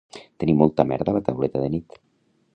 Tenir molta merda a la tauleta de nit